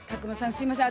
すいません